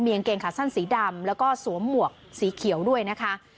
กางเกงขาสั้นสีดำแล้วก็สวมหมวกสีเขียวด้วยนะคะ